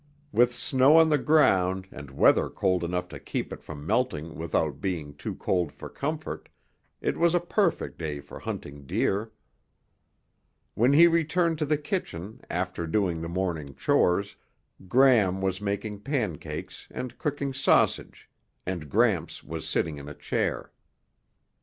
With snow on the ground and weather cold enough to keep it from melting without being too cold for comfort, it was a perfect day for hunting deer. When he returned to the kitchen after doing the morning chores, Gram was making pancakes and cooking sausage and Gramps was sitting in a chair.